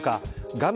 画面